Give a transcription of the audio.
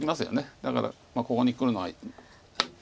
だからここにくるのが。